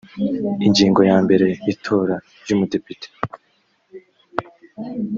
ingingo ya mbere itora ry umudepite